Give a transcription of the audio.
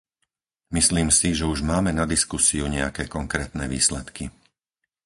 Myslím si, že už máme na diskusiu nejaké konkrétne výsledky.